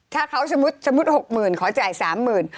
ถ้าเขาสมมุติ๖๐๐๐ขอจ่าย๓๐๐๐บาท